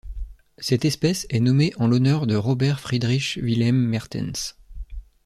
Cette espèce est nommée en l'honneur de Robert Friedrich Wilhelm Mertens.